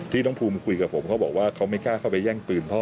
น้องภูมิมาคุยกับผมเขาบอกว่าเขาไม่กล้าเข้าไปแย่งปืนพ่อ